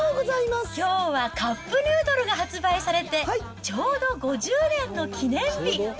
きょうはカップヌードルが発売されて、ちょうど５０年の記念日。